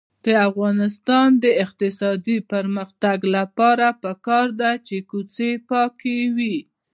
د افغانستان د اقتصادي پرمختګ لپاره پکار ده چې کوڅې پاکې وي.